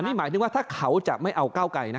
นี่หมายถึงว่าถ้าเขาจะไม่เอาก้าวไกลนะ